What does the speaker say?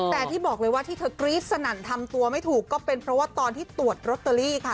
แต่ที่บอกเลยว่าที่เธอกรี๊ดสนั่นทำตัวไม่ถูกก็เป็นเพราะว่าตอนที่ตรวจโรตเตอรี่ค่ะ